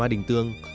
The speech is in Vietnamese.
và ma đình tương